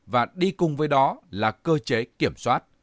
và đi cùng với đó là cơ chế kiểm soát